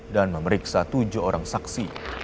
dan memeriksa tujuh orang saksi